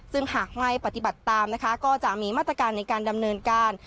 ซึ่งหากไม่ปฏิบัติตามนะคะก็จะมีมาตรการในการดำเนินการ